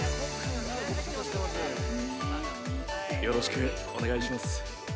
よろしくお願いします。